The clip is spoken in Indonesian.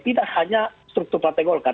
tidak hanya struktur partai golkar